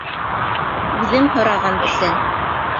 Үҙең һораған бесән.